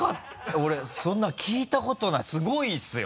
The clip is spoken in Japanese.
俺そんな聞いたことないすごいですよ